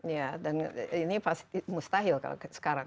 iya dan ini pasti mustahil sekarang